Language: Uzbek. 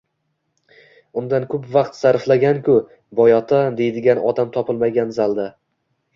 undan ko‘p vaqt sarflaganku boyota deydigan odam topilmagan zalda.